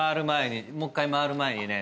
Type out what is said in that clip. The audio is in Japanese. もう１回回る前にね